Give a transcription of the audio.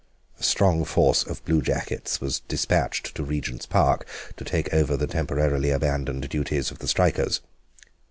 A strong force of Bluejackets was despatched to Regent's Park to take over the temporarily abandoned duties of the strikers.